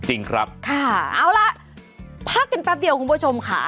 จริงครับค่ะเอาล่ะพักกันแป๊บเดียวคุณผู้ชมค่ะ